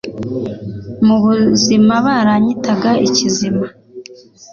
Mu buzima baranyitaga ikizima.